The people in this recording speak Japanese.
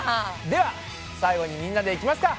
では最後にみんなでいきますか。